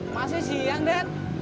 masih siang de